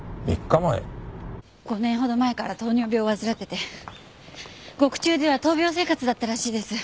５年ほど前から糖尿病を患ってて獄中では闘病生活だったらしいです。